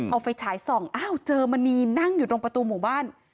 เอาไฟฉายส่องอ้าวเจอมณีนั่งอยู่ตรงประตูหมู่บ้าน